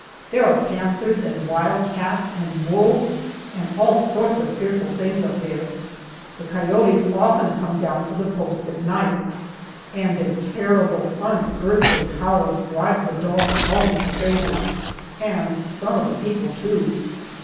There are panthers and wild cats and wolves and all sorts of fearful things up there. The coyotes often come down to the post at night, and their terrible, unearthly howls drive the dogs almost crazy and some of the people, too.